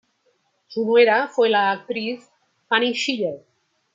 Su nuera fue la actriz Fanny Schiller.